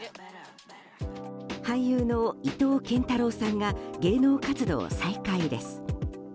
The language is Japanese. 俳優の伊藤健太郎さんが芸能活動を再開です。